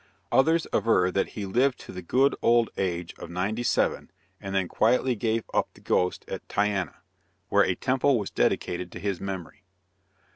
Others aver that he lived to the good old age of ninety seven, and then quietly gave up the ghost at Tyana, where a temple was dedicated to his memory.